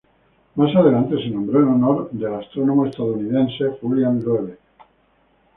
Más adelante se nombró en honor del astrónomo estadounidense Julian Loewe.